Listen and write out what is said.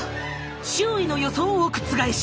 周囲の予想を覆し